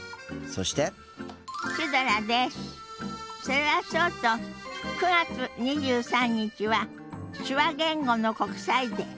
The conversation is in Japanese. それはそうと９月２３日は手話言語の国際デー。